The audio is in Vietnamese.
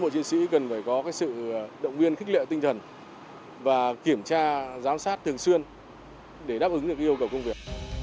để có sự động viên khích lệ tinh thần và kiểm tra giám sát thường xuyên để đáp ứng được yêu cầu công việc